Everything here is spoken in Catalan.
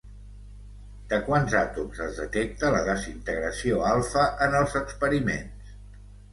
De quants àtoms es detecta la desintegració alfa en els experiments?